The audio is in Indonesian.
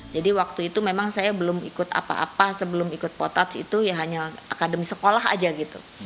jadi waktu itu memang saya belum ikut apa apa sebelum ikut potats itu ya hanya akademi sekolah aja gitu